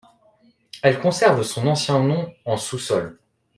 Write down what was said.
Elle conserve son ancien nom en sous-sol.